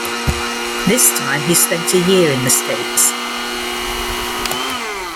This time he spent a year in the States.